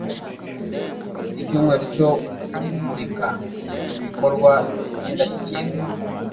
icyumweru cyo kumurika ibikorwa by'indashyikirwa